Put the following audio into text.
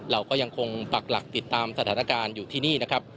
เราก็ยังคงปักหลักติดตามสถานการณ์อยู่ที่นี่นะครับ